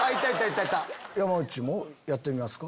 山内もやってみますか？